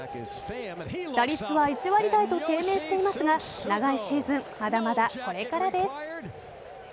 打率は１割台と低迷していますが長いシーズンまだまだこれからです。